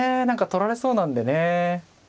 何か取られそうなんでね。